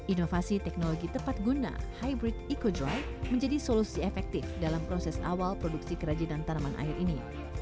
inovasi teknologi tepat guna hybrid eco dry menjadi solusi efektif dalam proses awal produksi kerajinan tanaman air ini